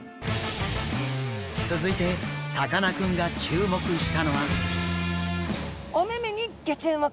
続いてさかなクンが注目したのは。